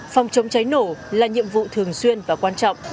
phòng chống cháy nổ là nhiệm vụ thường xuyên và quan trọng